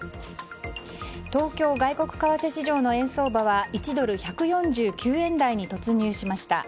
東京外国為替市場の円相場は１ドル＝１４９円台に突入しました。